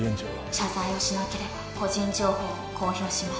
「謝罪をしなければ個人情報を公表します」